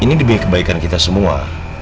ini demi kebaikan kita semua